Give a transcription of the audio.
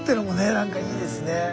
何かいいですね。